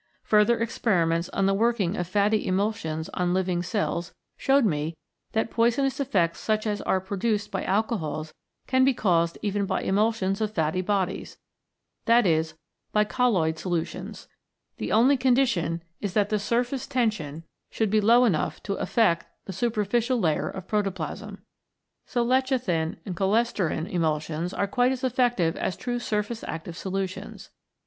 Further experiments on the working of fatty emulsions on living cells showed me that poisonous effects such as are produced by alcohols can be caused even by emulsions of fatty bodies, that is, by colloid solutions. The only condition is that the surface tension should be low 43 CHEMICAL PHENOMENA IN LIFE enough to affect the superficial layer of proto plasm. So lecithin or cholesterin emulsions are quite as effective as true surface active solu tions.